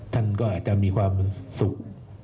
ท่านก็อาจจะมีความสุข